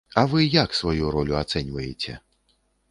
А вы як сваю ролю ацэньваеце?